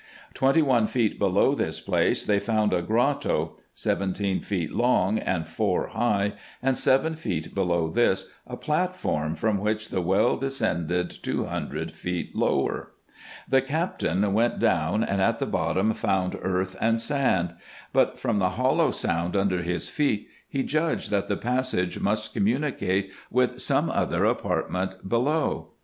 Twenty one feet below this place they found a grotto, seventeen feet long and four high ; and seven feet below this, a platform, from which the well descended two hundred feet lower. The captain went down, and at the bottom found earth and sand : but from the hollow sound under his feet, he judged, that the passage must communicate with some other apartment below.